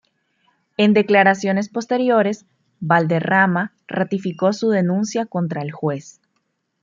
En declaraciones posteriores, Valderrama ratificó su denuncia contra el juez.